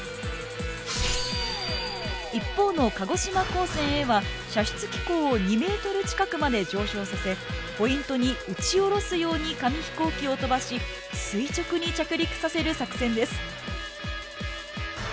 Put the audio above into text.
一方の鹿児島高専Ａは射出機構を２ｍ近くまで上昇させポイントに打ち下ろすように紙飛行機を飛ばし垂直に着陸させる作戦です。